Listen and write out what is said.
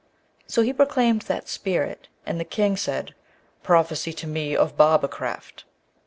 So he proclaimed that spirit, and the King said, 'Prophesy to me of barbercraft.'